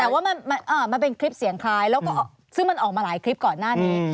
แต่ว่ามันเป็นคลิปเสียงคล้ายแล้วก็ซึ่งมันออกมาหลายคลิปก่อนหน้านี้